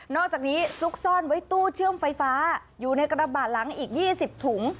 อกจากนี้ซุกซ่อนไว้ตู้เชื่อมไฟฟ้าอยู่ในกระบาดหลังอีก๒๐ถุง